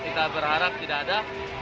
kita berharap tidak ada